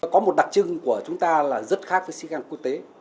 có một đặc trưng của chúng ta là rất khác với sĩ quan quốc tế